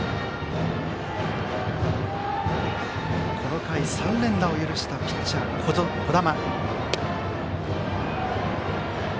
この回、３連打を許したピッチャー、児玉。